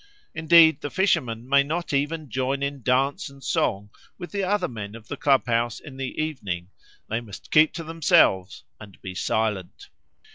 Indeed the fishermen may not even join in dance and song with the other men of the clubhouse in the evening; they must keep to themselves and be silent.